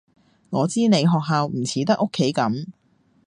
我知你學校唔似得屋企噉